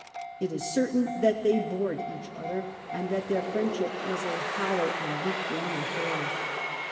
It is certain that they bored each other, and that their friendship was a hollow and lukewarm affair.